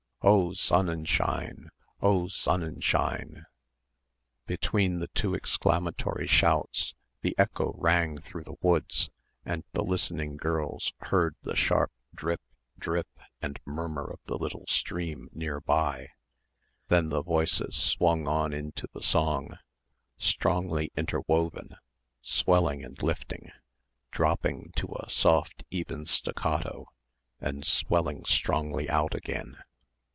"O _Sonn_enschein! O _Sonn_enschein!" Between the two exclamatory shouts, the echo rang through the woods and the listening girls heard the sharp drip, drip and murmur of the little stream near by, then the voices swung on into the song, strongly interwoven, swelling and lifting; dropping to a soft even staccato and swelling strongly out again.